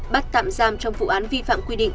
bắt tạm giam trong vụ án vi phạm quy định